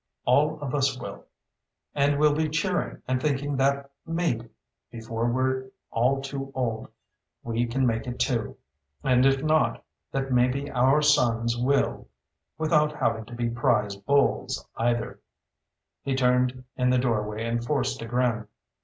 All of us will. And we'll be cheering and thinking that maybe, before we're all too old, we can make it, too. And if not, that maybe our sons will without having to be prize bulls, either." He turned in the doorway and forced a grin.